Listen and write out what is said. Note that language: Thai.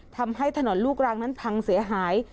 ทำให้ถนนลูกรังนั้นพังเสียหาย